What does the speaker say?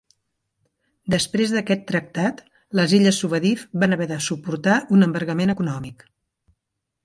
Després d'aquest tractat, les illes Suvadive van haver de suportar un embargament econòmic.